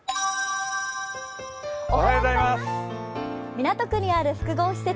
港区にある複合施設